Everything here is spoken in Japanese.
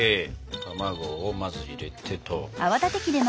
卵をまず入れてと。